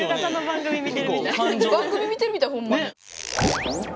番組見てるみたいホンマに。